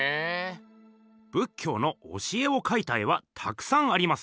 仏教の教えをかいた絵はたくさんあります。